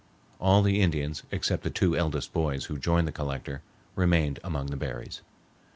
All the Indians except the two eldest boys who joined the Collector, remained among the berries.